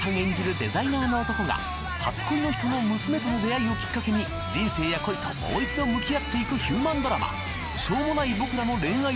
デザイナーの男が初恋の人の娘との出会いをきっかけに人生や恋ともう一度向き合っていくヒューマンドラマ